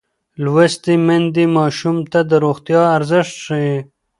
لوستې میندې ماشوم ته د روغتیا ارزښت ښيي.